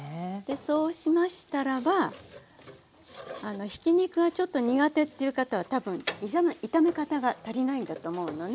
そうしましたらばひき肉はちょっと苦手っていう方は多分炒め方が足りないんだと思うのね。